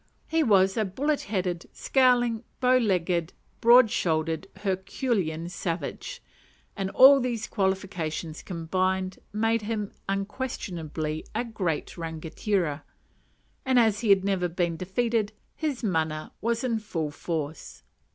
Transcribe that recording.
He was a bullet headed, scowling, bow legged, broad shouldered, herculean savage, and all these qualifications combined made him unquestionably "a great rangatira;" and, as he had never been defeated, his mana was in full force.